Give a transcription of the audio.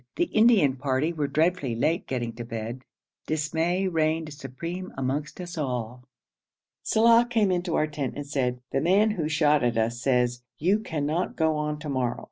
The Indian party were dreadfully late getting to bed. Dismay reigned supreme amongst us all. Saleh came in to our tent and said, 'The man who shot at us says, "You cannot go on to morrow.